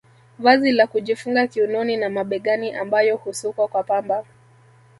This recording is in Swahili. Vazi la kujifunga kiunoni na mabegani ambayo husukwa kwa pamba